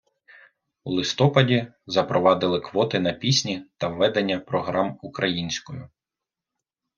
У листопаді запровадили квоти на пісні та ведення програм українською.